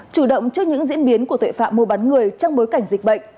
chủ động trước những diễn biến của tội phạm mua bán người trong bối cảnh dịch bệnh